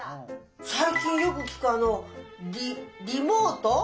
最近よく聞くあのリリモート？